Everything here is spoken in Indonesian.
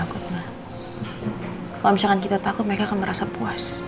kalau misalkan kita takut mereka akan merasa puas